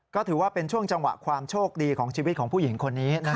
ก็ถือว่าเป็นช่วงจังหวะความโชคดีของชีวิตของผู้หญิงคนนี้